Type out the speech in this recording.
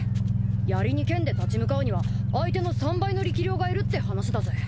やりに剣で立ち向かうには相手の３倍の力量がいるって話だぜ。